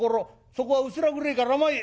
そこは薄ら暗えから前へ。